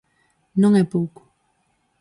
Non é pouco.